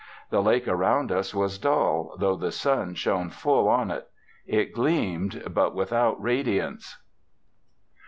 The lake around us was dull, though the sun shone full on it. It gleamed, but without radiance.